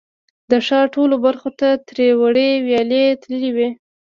د ښار ټولو برخو ته ترې وړې ویالې تللې وې.